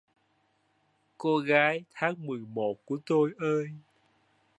Cô gái tháng mười một của tôi ơi!